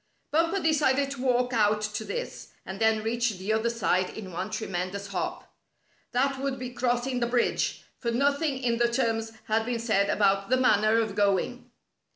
Bumper decided to walk out to this, and then reach the other side in one tremendous hop. That would be crossing the bridge, for nothing in the terms had been said about the manner of going.